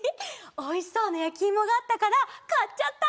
おいしそうなやきいもがあったからかっちゃった！